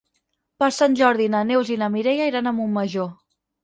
Per Sant Jordi na Neus i na Mireia iran a Montmajor.